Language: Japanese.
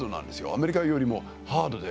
アメリカよりもハードで。